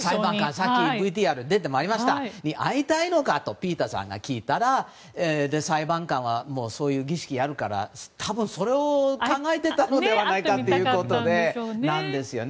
さっきのＶＴＲにも出ていましたが会いたいのかとピーターさんが聞いたら裁判官はそういう儀式をやるから多分、それを考えていたのではないかということなんですよね。